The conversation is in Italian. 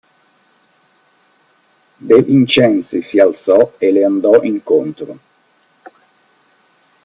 De Vincenzi si alzò e le andò incontro.